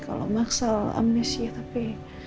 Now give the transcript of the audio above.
kalau maksal amnesia tapi